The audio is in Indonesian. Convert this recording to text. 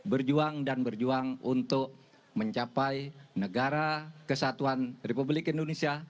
berjuang dan berjuang untuk mencapai negara kesatuan republik indonesia